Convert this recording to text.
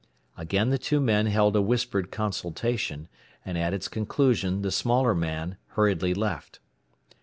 Again the two men held a whispered consultation, and at its conclusion the smaller man hurriedly left.